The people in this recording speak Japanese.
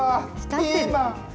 ピーマン。